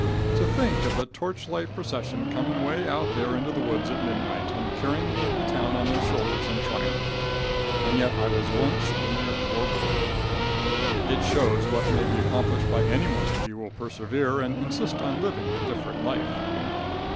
To think of a torchlight procession coming way out there into the woods at midnight, and carrying me into town on their shoulders in triumph! And yet I was once only a poor boy! It shows what may be accomplished by anyone if he will persevere and insist on living a different life.